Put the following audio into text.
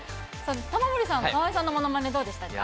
玉森さん、河合さんのものまねどうでしたか。